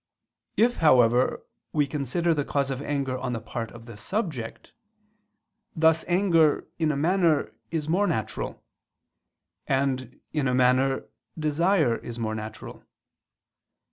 If, however, we consider the cause of anger on the part of the subject, thus anger, in a manner, is more natural; and, in a manner, desire is more natural.